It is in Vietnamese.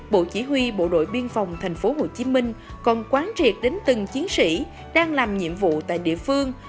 bộ chỉ huy bộ đội biên phòng tp hcm còn quán triệt đến từng chiến sĩ đang làm nhiệm vụ tại địa phương